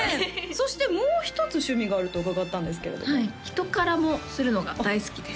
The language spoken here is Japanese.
そしてもう一つ趣味があると伺ったんですけれどもはいヒトカラもするのが大好きです